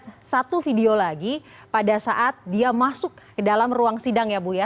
ada satu video lagi pada saat dia masuk ke dalam ruang sidang ya bu ya